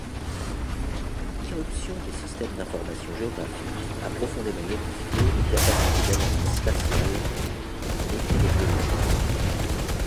L'irruption des systèmes d'information géographique a profondément modifiée les capacités d'analyse spatiale en épidémiologie.